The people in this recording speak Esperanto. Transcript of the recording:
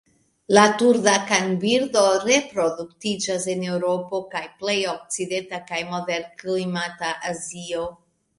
La Turda kanbirdo reproduktiĝas en Eŭropo kaj plej okcidenta kaj moderklimata Azio.